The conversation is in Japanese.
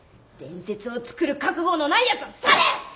伝説を作る覚悟のないやつは去れ！